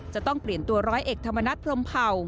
จะต้องเปลี่ยนตัวร้อยเอกธรรมนัฐพรมเผ่า